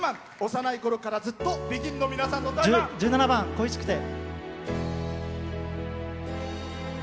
幼いころから、ずっとＢＥＧＩＮの皆さんの１７番「恋しくて」。